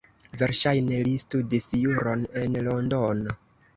Verŝajne li studis juron en Londono.